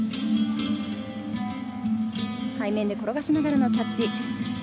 背面で転がしながらのキャッチ。